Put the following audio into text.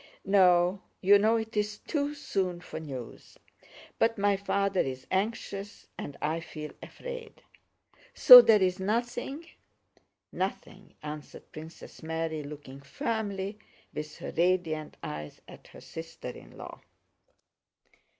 "No, you know it's too soon for news. But my father is anxious and I feel afraid." "So there's nothing?" "Nothing," answered Princess Mary, looking firmly with her radiant eyes at her sister in law.